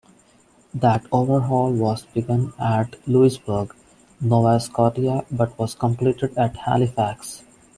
That overhaul was begun at Louisburg, Nova Scotia but was completed at Halifax.